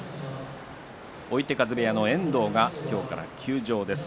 追手風部屋の遠藤が今日から休場です。